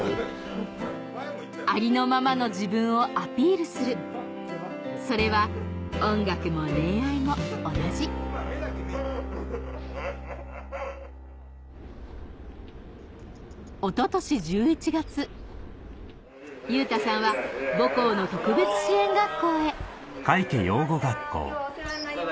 ありのままの自分をアピールするそれは音楽も恋愛も同じおととし１１月優太さんは母校の特別支援学校へお待ちしてました